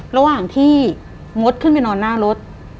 ระหว่างที่มดขึ้นไปนอนหน้ารถ